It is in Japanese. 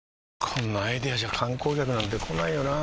こんなアイデアじゃ観光客なんて来ないよなあ